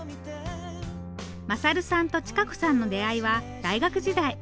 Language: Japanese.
勝さんと千賀子さんの出会いは大学時代。